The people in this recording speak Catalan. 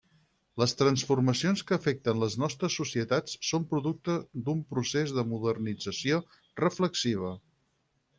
Les transformacions que afecten les nostres societats són producte d'un procés de modernització reflexiva.